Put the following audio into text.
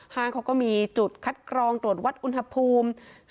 ห้างเขาก็มีจุดคัดกรองตรวจวัดอุณหภูมิ